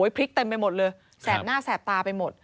พลิกเต็มไปหมดเลยแสบหน้าแสบตาไปหมด